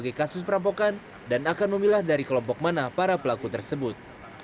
polisi juga sudah mempelajari berbagai kasus perampokan dan akan memilah dari kelompok mana para pelaku tersebut